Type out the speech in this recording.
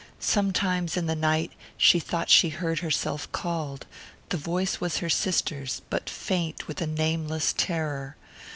Sometimes, in the night, she thought she heard herself called: the voice was her sister's, but faint with a nameless terror.